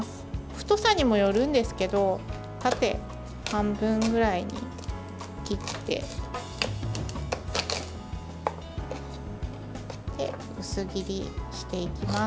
太さにもよるんですけど縦半分ぐらいに切ってで、薄切りにしていきます。